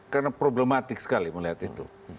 karena problematik sekali melihat itu